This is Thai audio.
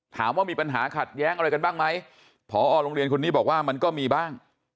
ถามว่ามีปัญหาขัดแย้งอะไรกันบ้างไหมพอโรงเรียนคนนี้บอกว่ามันก็มีบ้าง